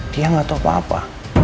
dia gak tau apa apa